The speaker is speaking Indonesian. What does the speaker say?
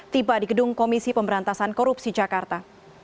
tiba di gedung komisi pemberantasan korupsi jakarta